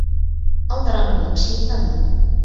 ئالدىراڭغۇلۇق شەيتاندىن.